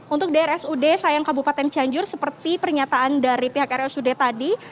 untuk drs ud sayang kabupaten cianjur seperti pernyataan dari pihak rs ud tadi